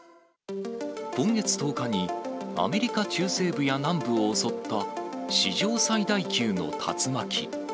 今月１０日に、アメリカ中西部や南部を襲った史上最大級の竜巻。